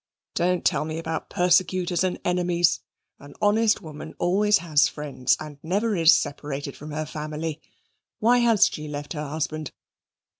Don't tell me about persecutors and enemies; an honest woman always has friends and never is separated from her family. Why has she left her husband?